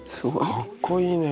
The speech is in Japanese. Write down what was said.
かっこいいね。